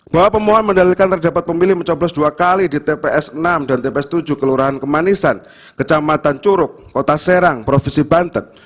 bahwa pemohon mendalilkan terdapat pemilih mencoblos dua kali di tps enam dan tps tujuh kelurahan kemanisan kecamatan curug kota serang provinsi banten